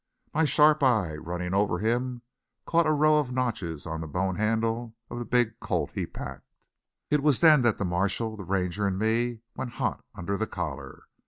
My sharp eye, running over him, caught a row of notches on the bone handle of the big Colt he packed. It was then that the marshal, the Ranger in me, went hot under the collar.